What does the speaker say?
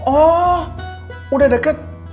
oh udah deket